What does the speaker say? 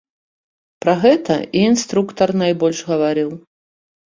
Пра гэта і інструктар найбольш гаварыў.